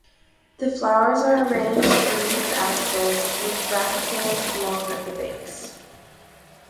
The flowers are arranged in leaf axils with bracteoles long at the base.